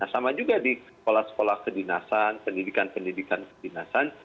sama juga di sekolah sekolah kedinasan pendidikan pendidikan kedinasan